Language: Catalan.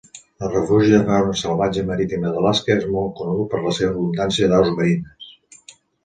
El refugi de fauna salvatge marítima d'Alaska és molt conegut per la seva abundància d'aus marines.